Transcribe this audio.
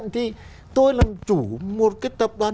thì tôi làm chủ một cái tập đoàn